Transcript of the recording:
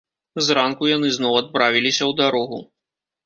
Зранку яны зноў адправіліся ў дарогу.